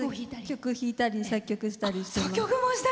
曲を弾いたり作曲したりしてます。